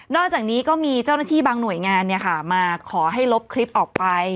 อกจากนี้ก็มีเจ้าหน้าที่บางหน่วยงานมาขอให้ลบคลิปออกไป